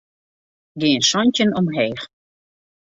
Gean santjin omheech.